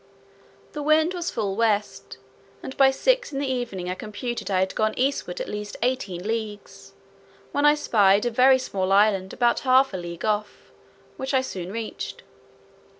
The wind was full west, and by six in the evening I computed I had gone eastward at least eighteen leagues; when I spied a very small island about half a league off, which I soon reached.